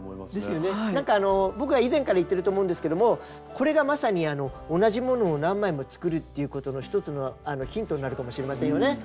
僕は以前から言ってると思うんですけどもこれがまさに同じ物を何枚も作るっていうことの１つのヒントになるかもしれませんよね。